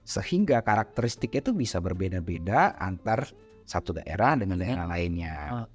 sehingga karakteristiknya itu bisa berbeda beda antara satu daerah dengan daerah lainnya